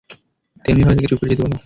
তেমনিভাবে, তাকে চুপ করে যেতে বলো।